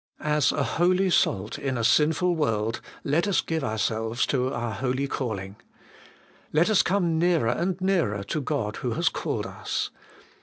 As a holy salt in a sinful world, let us give ourselves to our holy calling. Let us come nearer and nearer to God who has called us.